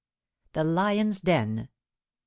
THE LIONS' DEN.